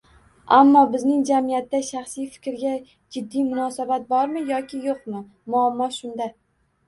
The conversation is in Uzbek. Ammo bizning jamiyatda shaxsiy fikrga jiddiy munosabat bormi yoki yo'qmi? Muammo shunda!